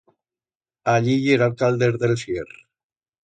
Allí yera el calder d'el sier.